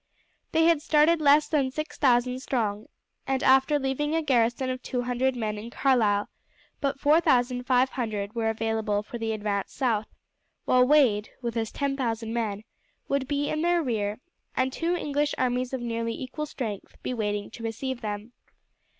They had started less than six thousand strong, and after leaving a garrison of two hundred men in Carlisle, but four thousand five hundred were available for the advance south, while Wade, with his ten thousand men, would be in their rear and two English armies of nearly equal strength be waiting to receive them.